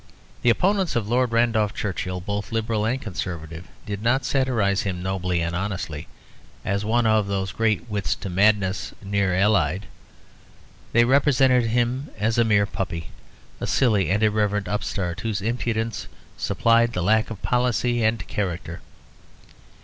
The opponents of Lord Randolph Churchill, both Liberal and Conservative, did not satirise him nobly and honestly, as one of those great wits to madness near allied. They represented him as a mere puppy, a silly and irreverent upstart whose impudence supplied the lack of policy and character.